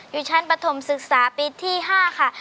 อยู่ชั้นปฐมศึกษาปีที่๕ค่ะ